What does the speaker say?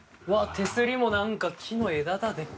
手すりもなんか木の枝だでっかい。